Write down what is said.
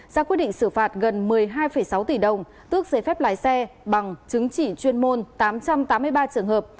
ra quyết định xử phạt gần một mươi hai sáu tỷ đồng tước giấy phép lái xe bằng chứng chỉ chuyên môn tám trăm tám mươi ba trường hợp